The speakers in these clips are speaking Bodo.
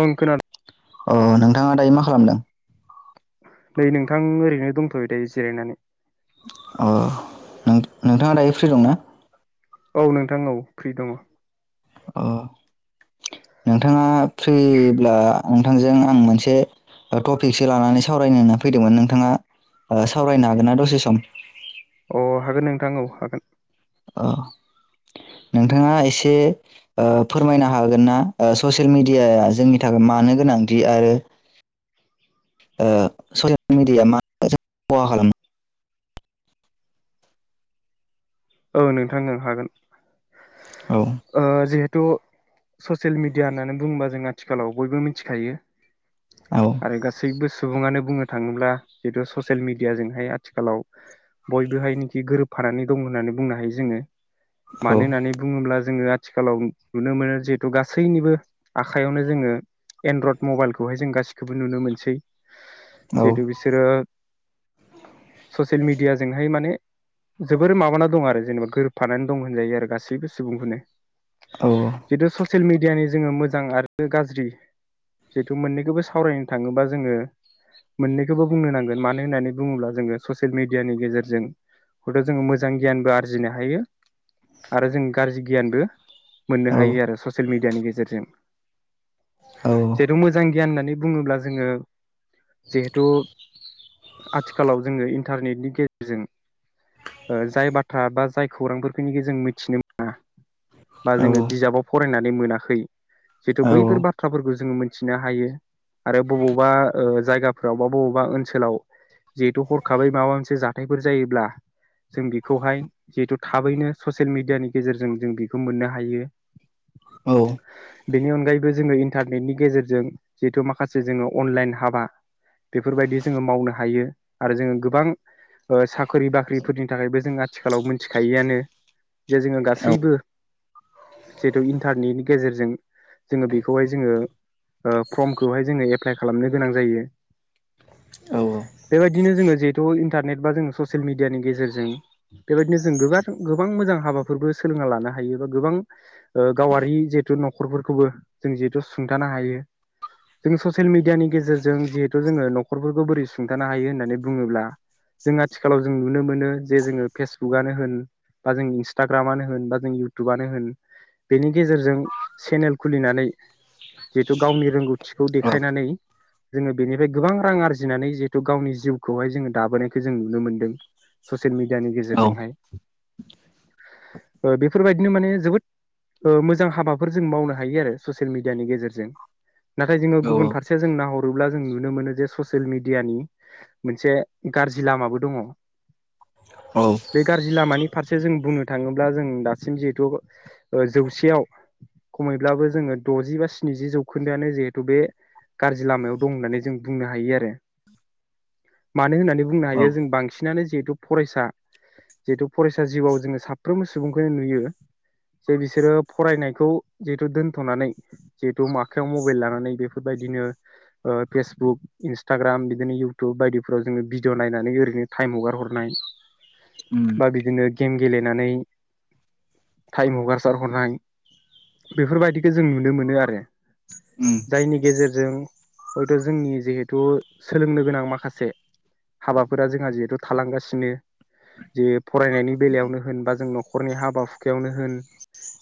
ओं खोनादों अ नोंथाङा दायो मा? खालामदों नै नोंथां ओरैनो दंथ'यो दायो जिरायनानै अ नोंथाङा दायो फ्रि दंना? औ नोंथां औ फ्रि दङ अ'नोंथाङा फ्रिब्ला नोंथांजों आं मोनसे टपिकसो लानानै सावरायनो होनना फैदोंमोन नोंथाङा सावरायनो हागोन ना दसे सम? अ हागोन नोंथां औ हागोन अ नोंथाङा एसे ओ फोरमायनो हागोन ना ओ ससियेल मिडियाया जोंनि थाखाय मानो गोनांथि आरो ससियेल ओ मिडियाया मा खहा खालामो? औ नोंथां ओं हागोन औ ओ जिहेतु थ' ससियेल मिडिया होननानै बुङोबा जों आथिखालाव बयबो मिथिखायो औ आरो गासैबो सुबुङानो बुंनो थाङोब्ला जितु ससियेल मिडियाजोंहाय आथिखालाव बयबोहायनोखि गोरोबफानानै दं होननानै बुंनो हायो जोङो औ मानो होननानै बुङोब्ला जोङो आथिखालाव नुनो मोनो जिहेथु गासैनिबो आखायावनो जोङो एनड्रयड मबाइलखौहाय जों गासिखौबो नुनो मोनसै जिहेतु बिसोरो ससियेल मिडियाजोंहाय माने जोबोरै माबाना दं आ रो जेनेबा गोरोबफानानै दं होनजायो आरो गासैबो सुबुंखौनो। औ जिथु ससियेल मिडिया नि जोङो मोजां आरो गाज्रि जेथु मोनैबो सावरायनो थाङोबा जोङो मोनैखोबो बुंनो नांगोन मानो होननानै बुङोब्ला जोङो ससियेल मेदियानि गेजेरजों हयथ जों मोजां गियानबो आरज जिनो हायो। आरो जों गारजि गियानबो मोननो औ हायो आरो ससियेल मि डियानि गेजेरजों जिथु मोजां गियान होननानै बुङोब्ला जोङो जिहेतु आथिखालाव जोङो इन्टारनेटनि गेजेरजों ओ जाय बाथ थ्रा बा जाय खौरांफोरखिनि जों मिथिनो मोना बा औ औ जोङो बिजाबाव फरायना नै मोनाखै जिथु बैफोर बाथ्राफोरखौ जों मोनथिनो हायो आरो बबावबा ओ जायगाफ्राव बा बबावबा ओनसोलाव जिहेथु हरखाबै माबा मोनसे जाथायफोर जायोब्ला जों बि खौहाय जिहेथु थाबैनो ससेयेल मिडियानि गेजेरजों जों बेखौ मोननो हायो बेनि अनगायैबो जोङो इन्टारनेटनि गेजेरजों जिहेथु माखासे जोङो अनलाइन हाबा बेफोरबायदि जोङो मावनो हायो आरो जोङो गोबां ओ साखोरि बाख्रिफोरनि थाखायबो जों आथिखालाव मोनथिखायैआनो जे जोङो गासैबो जेतु इन्टारनेटनि गेजेरजों जोङो बेखौहाय जोङो ओ फर्मखौहाय जोङो एप्लाइ खालामनो गोनां जायो। औ औ बेबायदिनो जोङो जिहेतु इन्टारनेट बा जों ससियेल मिडियानि गेजेरजों बेबायदिनो जों गोबा गोबां मोजां हाबाफोरबो सोलोंना लानो हायो बा गोबां ओ गावारि जिहेथु न'खरफोरखौबो जों जिहेथु सुंथानो हायो जों ससियेल मिडियानि गेजेरजों जिहेथु जोङो नखरफोरखौ बोरै सुंथानो हायो होननानै बुङोब्ला जों आथिखालाव जों नुनो मोनो जे जोङो फेसबुकआनो होन बा जों इन्सटाग्रामानो होन बा जों इउटुबानो होन बेनि गेजेरजों सेनेल खुलिनानै जिहेथु गावनि रोंगौथिखौ देखायनानै जोङो बेनिफाय गोबां रां आरजिनानै जिहेथु गावनि जिउखौहाय जोङो दाबोनायखौ जों नुनो मोनदों ससियेल मि डियानि औ औ गेजेरजोंहाय। ओ बेफोरबायदिनो माने जोबोद ओ मोजां हाबाफोर जों मावनो हायो आरो ससियेल मिडियानि गेजेरजों। नाथाय जोङो औ गुबुन फारसेया जों नाहरोब्ला जों नुनो मोननो जे ससेल मिडियानि मोनसे गारजि लामाबो दङ। औ बे गारजि लामानि फारसे जों बुंनो थाङोब्ला जों दासिम जिहेथु ओ जौसेयाव खमैब्लाबो जोङो दजि बा स्निजि जौखोन्दोआनो जिहेथु बे गारजि लामायाव दं होननानै जों बुंनो हायो आरो मानो होननानै बुंनो औ हायो जों बांसि नानो जिहेतु फ फरायसा जिहेथु फरायसा जिउआव जोङो साफ्रोमबो सुबुंखौनो नुयो जे बिसोरो फरायनायखौ जिहेथु दोनथ'नानै जिहेथु माखायाव मबाइल लानानै बेफोरबायदिनो फेसबुक इन्सटाग्राम बिदिनो इउटुब बायदिफ्राव जोङो भिडिअ नायनानै ओरैनो टाइम हगार हरनाय। उम बा बिदिनो गेम गेलेनानै टाइम हगारसार हरनाय बेफोरबायदिखो जों नुनो मोनो आरो। उम जायनि गेजेरजों हयथ जोंनि जिहेथु सोलोंनो गोनां माखासे हाबाफोरा जोंहा जिहेथु थालांगासिनो। जे फरायनायनि बेलायावनो होन बा जों नखरनि हाबा हुखायावनो होन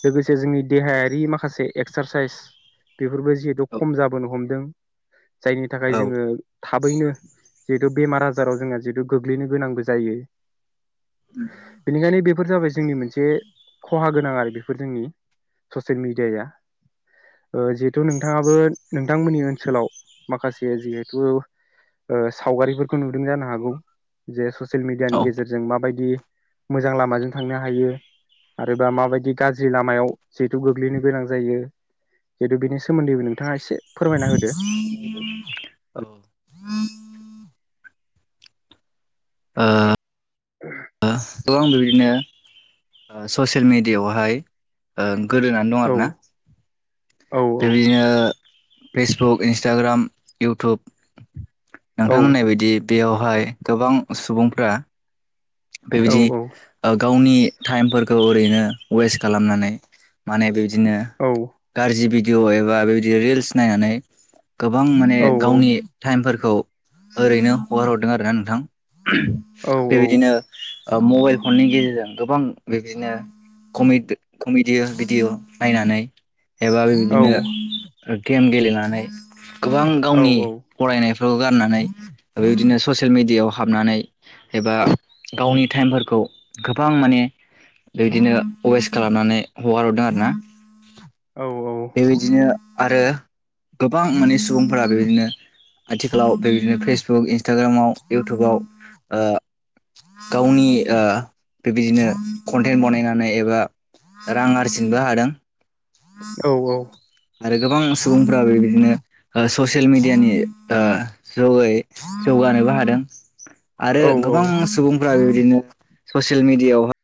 लोगोसे जोंनि देहायारि माखासे एक्सारसाइस बेफोरबो जिहेथु औ खम जाबोनो हमदों जायनि थाखाय औ जोङो़ थाबैनो जिहेथु बेमार आजाराव जोंहा जिहेतु गोग्लैनो गोनांबो जायो। बिनिखायनो बेफोर जाबाय जोंनि मोनसे खहा गोनां आरो बेफोर जोंनि ससियेल मिडियाया जिहेथु नोंथाङाबो नोंथांमोननि ओनसोलाव माखासे जिहेथु ओ सावगारिफोरखौ नुदों जानो हागौ जे स जों औ मिडयानि गेजेरजों जों माबायदि मोजां लामाजों थांनो हायो आरोबा माबायदि गाज्रि लामायाव जिहेथु गोग्लैनो गोनां जायो जितु बेनि सोमोन्दैबो नोंथाङा एसे फोरमायना होदो गोबां ओ [inaudible] गोबां बिबदिनो ओ ससियेल मेडियावहाय गोदोनानै दं औ आरोना औ बिदिनो फेसबुक इन्सटाग्राम इउटुब औ नोंथां होननाय बायदि बेयावहाय गोबां सुबुंफोरा औ बेबायदि ओ गावनि टाइमफोरखौ ओरैनो वेस्ट खालामनानै माने बि बिदिनो औ गाज्रि बिदि भिदिअ एबा बेबायदि रिल्स नायनानै गोबां माने औ गावनि टाइमफोरखौ खौ ओरैनो हगार हरदों आरो ना नोंथां औ बेबादि ओ मबाइल फननि गेजेरजों गोबां बिदिनो कमेडि कमेडि भिडिअ' नायनानै एबा औ बिदिनो गेम गेलेनानै गोबां औ गावनि औ फरायनायफोराव गारनानै बेबायदिनो ससेयेल मिडियाायाव हाबनानै एबा गावनि टाइमफोरखौ गोबां माने बिदिनो वेस्ट खालामनानै हगारहरदों आरोना औ औ बेबायदिनो आरो गोबां माने सुबुंफोरा बेबायदिनो आथिखालाव बेबायदिनो फेसबुक इन्सटाग्रामाव इउटुबाव ओ गावनि ओ बेबायदिनो कन्टेन्ट बनायनानै एबा रां आरजिनोबो हादों औ औ आरो गोबां सुबुंफ्राबो बिदिनो ओ ससियेल मिेडियानि ओ जगै जौगानोबो हादों आरो गोबां सुबुंफोरा बिदिनो ससियेल मिडियावहाय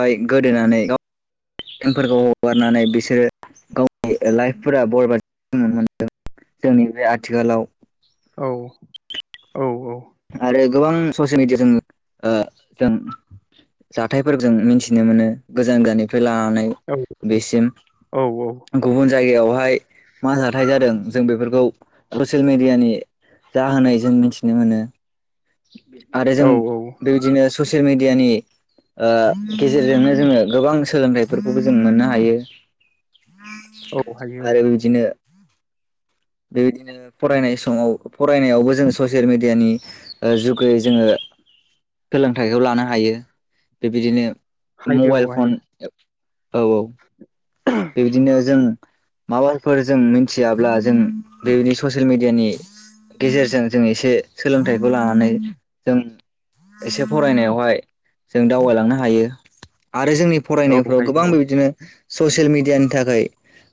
हायो गोदोनानै गाव फोरखौ [inaudible] हगारनानै [inaudible] बिसोरो [inaudible] गावनि लाइफफोरा बरबाद [inaudible] जानाय [inaudible] नुनो मोनदों जोंनि बे आथिखालाव आरो गोबां ससियेल मिेडियाजों जों जाथायफोरजों मिथिनो मोनो गोजान गोजाननिफ्राय लानानै बेसिम गुबुन जायगायाव बेवहाय मा जाथाय जादों जों बेफोरखौ ससियेल मेडियानि जाहाय जों मिथिनो मोनो आरो जों औ बेबादिनो ससियेल मेडियानि ओ गेजेरजोंनो जोङो गोबां सोलोंथाइफोरखौबो जों मोननो हायो हायो औ आरो बिदिनो [inaudible] बेबायदिनो फरायनाय समाव फरायनायावबो जों ससियेल मेडियानि ओ जुगै जोङो सोलोंथाइखौ लानो हायो। बेबायदिनो हायो मबाइल औ फन हायो औ औ बिबादिनो जों माबाफोर जों मिथियाब्ला जों बेबायदि ससियेल मेडियानि गेजेरजों जों एसे सोलोंथाइखौ लानानै जों एसे फरायनायावहाय जों दावबायलांनो हायो। आरो जोंनि औ फरायनायफ्राव गोबां हायो बे बिदिनो ससियेल मिडियानि थाखाय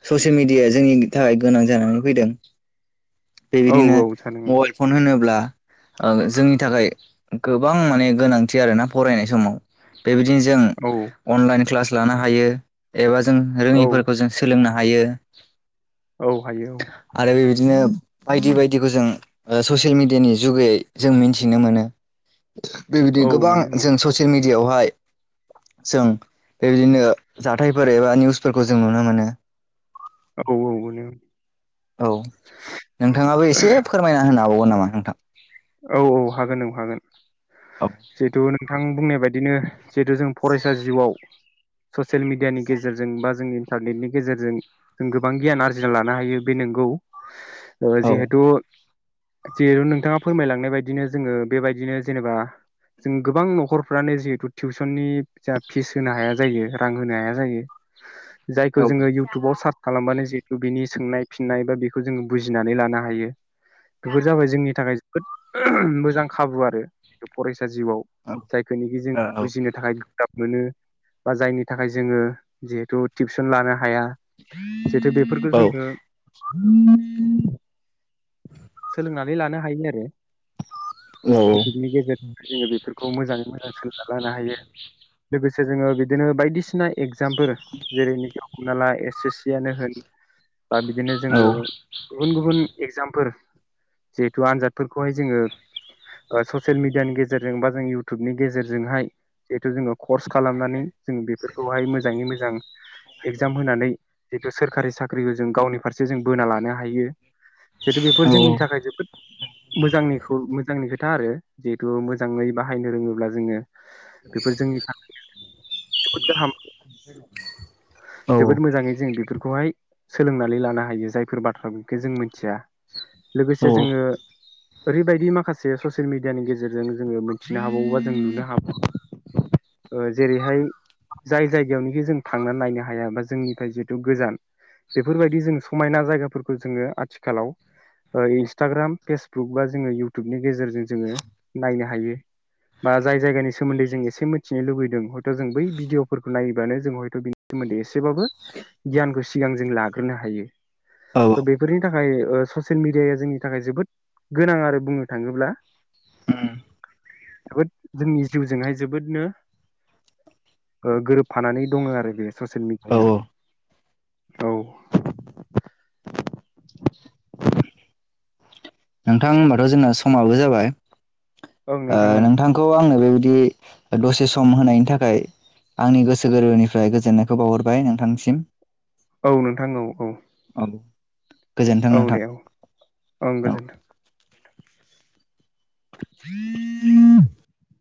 ससियेल मिडियाया जोंनि थाखाय गोनां जानानै फैदों। औ औ बेबायदिनो औ सानो मबाइल फन होनोब्ला ओं जोंनि थाखाय गोबां माने गोनांथि आरोना फरायनाय समाव बेबायदिनो जों औ अनलाइन क्लास लानो हायो एबा जों औ रोङिफोरखौ जों सोलोंनो हायो। हायो। औ हायो औ आरो बेबायदिनो बायदि बायदिखौ जों ओ ससियेल मिडियानि जुगै जों मिथिनो मोनो। बेबायदि औ गोबां मोनो औ जों ससियेल मिडिया यावहाय जों बेबायदिनो जाथायफोर एबा निउसफोरखौ जों नुनो मोनो। औ औ औ नोंथाङाबो एसे फोरमायना होन हाबावगोन नामा? नोंथां। औ हागोन औ हागोन औ जिहेथु नोंथां बुंनाय बायदि। बिदिनो जिहेथु जों फरायसा जिउआव ससियेल मिडयानि गेजेरजों बा जोंनि इन्टारनेटनि गेजेरजों जों गोबां गियान आरजिना लानो हायो बे नंगौ। ओ औ जिहेतु। जिहेटु' नोंथाङा फोरमायलांनाय बायदिनो जोङो बेबायदिनो जेनेबा जों गोबां न'खरफ्रानो जिहेथु टिउसननि जा फिस होनो हाया जायो रां होनो हाया जायो। औ जायखौ जोङो इयउटुबाव सार्च खालामबानो जे बिनि सोंनाय फिन्नाय बा बेखौ जोङो बुजिनानै लानो हायो बेफोर जाबाय जोंनि थाखाय। [unintelligible] मोजां खाबु आरो [unintelligible] जिउआव औ जायखौनोखि औ जोङो बुजिनो थाखाय ग्राब मोनो बा जायनि थाखाय जोङो जिहेथु टिउसन लानो हाया। जिहेथु बेफोरखौ जोङो सोलोंनानै लानो हायो नो ए। इउटुबनि गेजेरजों जोङो बेफोरखौ मोजाङै मोजां सोलोंना लानो हायो लोगोसे जोङो बिदिनो बायदिसिना एग जामफोर जेरैनि [unintelligible] हमना ला एस एस सि यानो होन बा बिदिनो जोङो गुबुन गुबुन एगजामफोर जेथु आनजाद। फोरखौहाय जोङो ओ ससियेल मिडियानि गेजेरजों बा जों इयउटुबनि गेजेरजोंहाय जिहेथु जोङो कर्स खालामनानै जों बे फोरखौहाय मोजाङै मोजां एग्जाम होनानै। जिथु सोरखारि साख्रिखौ जों गावनि फार से जों बोना लानो हायो जिथु बेफोर जोंनि थाखाय जोबोद। मोजांनिखौ मोजांनि खोथा आरो जिहेथु मोजाङै बाहायनो रोङोब्ला जोङो बेफोर जोंनि थाखायनो जोबोद गाहाम जोबोद मोजाङै जों बिफोरखौहाय सोलोंनानै लानो हायो जायफोर बाथ्रा बेखौ जों मिनथिया लोगोसे जोङो ओरैबायदि माखासे ससियेल मिडियानि गेजेरजों जोङो मोनथिनो हाबाव बा जों नुनो हाबावो जेरैहाय जाय जायगायावनोखि जों थांनानै नायनो हाया बा जोंनिफ्राय जिहेथु गोजान बेफोरबायदि जों समायना जायगाफोरखौ जोङो आथिखालाव ओ इन्सटाग्राम फेस बुक बा जोङो इयउटुबनि गेजेरजों जोङो नायनो हायो बा जाय जायगानि सोमोन्दै जों एसे मोथिनो लुबैदों हयथ' जों बै भिडिअफोरखौ नायोब्लानो जों हयथ' बिनि सोमोन्दै एसेबाबो गियानखौ सिगां जों लाग्रोनो हायो। स' औ बेफोरनि था खाय ओ ससेल मिडियाया जोंनि थाखाय जोबोद। गोनां आरो बुंनो थाङोब्ला जोबोद जोंनि जिउजोंहाय जोबोदनो ओ गोरोबफानानै दङो आरो बेयो ससेल औ मिडियाया। औ। नोंथां होनबाथ' जोंना समाबो जाबाय औ नोंथां ओ ओं नोंथांखौ आंनो बेबाय दि दसे सम होनायनि थाखाय आंनि गोसो गोरबोनिफ्राय गोजोननायखौ बावहरबाय नोंथांसिम औ नोंथां औ औ। गोजोनथों औ नोंथां दे औ ओं औ। गोजोन [unintelligible]